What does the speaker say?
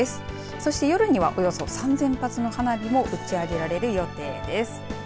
そして夜にはおよそ３０００発の花火も打ち上げられる予定です。